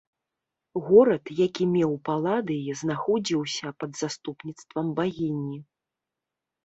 Горад, які меў паладый, знаходзіўся пад заступніцтвам багіні.